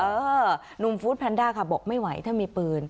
หนุ่มฟู้ดแพนด้าค่ะบอกไม่ไหวถ้ามีปืน